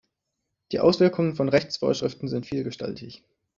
Die Auswirkungen von Rechtsvorschriften sind vielgestaltig.